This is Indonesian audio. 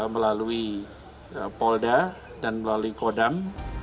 melalui polda dan melalui kodam